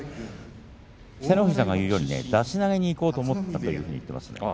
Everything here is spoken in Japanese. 北の富士さんが言うように出し投げにいこうと思ったと言っています。